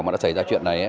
mà đã xảy ra chuyện này